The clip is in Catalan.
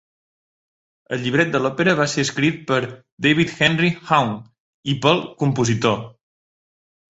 El llibret de l'òpera va ser escrit per David Henry Hwang i pel compositor.